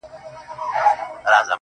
كه دي زما ديدن ياديږي.